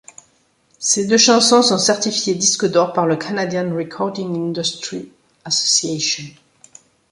Ces deux chansons sont certifiées disque d'or par le Canadian Recording Industry Association.